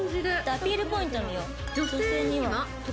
アピールポイント見よう。